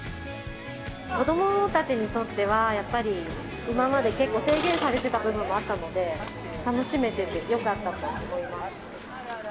子どもたちにとっては、やっぱり今まで結構、制限されてた部分もあったので、楽しめててよかったと思います。